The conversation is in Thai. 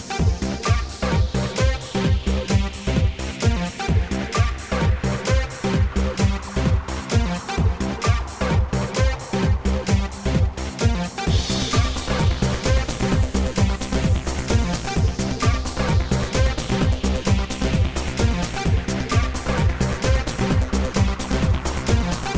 สวัสดีครับสวัสดีครับ